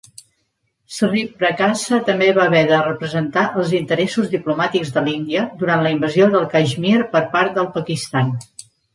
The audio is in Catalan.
Sri Prakasa també va haver de representar els interessos diplomàtics de l'Índia durant la invasió de Caixmir per part del Pakistan.